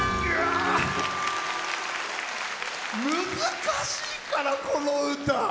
難しいから、この歌。